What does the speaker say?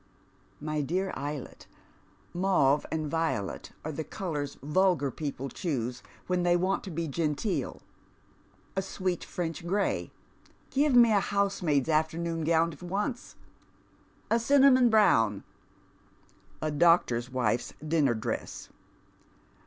" My dear Eyiett, mauve and violet are the colours vulgar people choose when they want to be genteel." A sweet French grey." " Give me a housemaid's afternoon gown at once." "A cinnamon brown." " A doctor's wife's dinner dress.